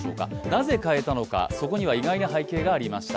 なぜ変えたのか、そこには意外な背景がありました。